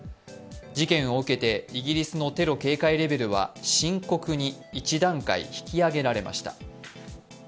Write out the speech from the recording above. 事件を受けてイギリスのテロ警戒レベルは「深刻」に１段階引き上げられました。